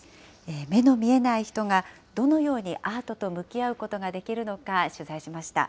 目の見えない人がどのようにアートと向き合うことができるのか、取材しました。